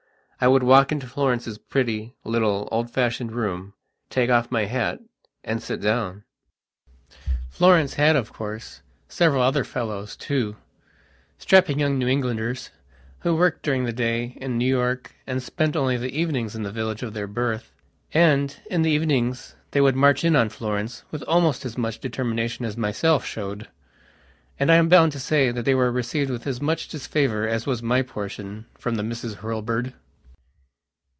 I would walk into Florence's pretty, little, old fashioned room, take off my hat, and sit down. Florence had, of course, several other fellows, toostrapping young New Englanders, who worked during the day in New York and spent only the evenings in the village of their birth. And, in the evenings, they would march in on Florence with almost as much determination as I myself showed. And I am bound to say that they were received with as much disfavour as was my portionfrom the Misses Hurlbird....